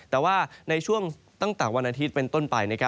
แต่ว่าในช่วงตั้งแต่วันอาทิตย์เป็นต้นไป